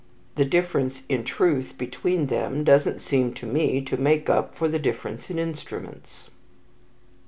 "The difference in truth between them doesn't seem to me to make up for the difference in instruments."